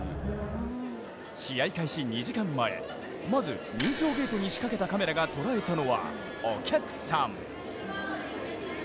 試合開始２時間前、まず入場ゲートに仕掛けたカメラが捉えたのはお客さん。